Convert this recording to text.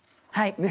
はい。